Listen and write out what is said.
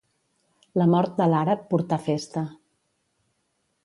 La mort de l'àrab portà festa.